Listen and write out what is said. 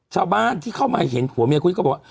ชาวบ้านที่เข้ามาเห็นผัวเมียคนนี้ก็บอกว่า